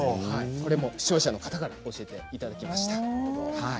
これも視聴者の方から教えていただきました。